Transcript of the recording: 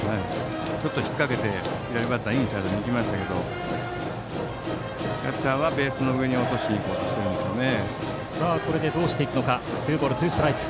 ちょっと引っ掛けて左バッターのインサイドに行きましたがキャッチャーはベースの上に落としていこうとしているんでしょうね。